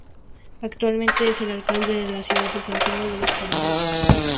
Actualmente es el Alcalde de la ciudad de Santiago de los Caballeros.